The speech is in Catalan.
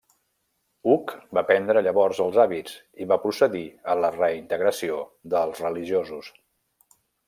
Hug va prendre llavors els hàbits, i va procedir a la reintegració dels religiosos.